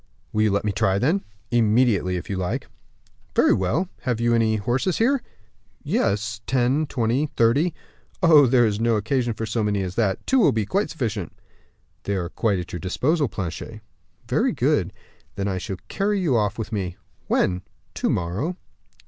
"Will you let me try, then?" "Immediately, if you like." "Very well. Have you any horses here?" "Yes; ten, twenty, thirty." "Oh, there is no occasion for so many as that, two will be quite sufficient." "They are quite at your disposal, Planchet." "Very good; then I shall carry you off with me." "When?" "To morrow."